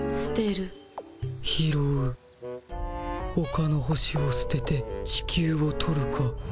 ほかの星をすてて地球を取るか。